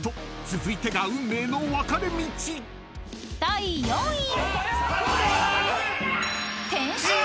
［続いてが運命の分かれ道］［第４位］